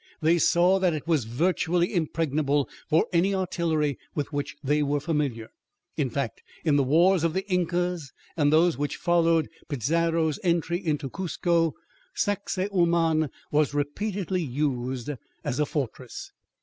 They saw that it was virtually impregnable for any artillery with which they were familiar. In fact, in the wars of the Incas and those which followed Pizarro's entry into Cuzco, Sacsahuaman was repeatedly used as a fortress.